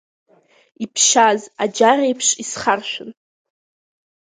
Иԥшьаз аџьареиԥш исхаршәын.